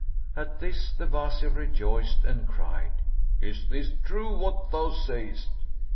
At this the Wazir rejoiced and cried, "Is this true which thou sayest?"